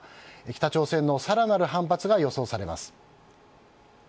北朝鮮の更なる反発が予想されます。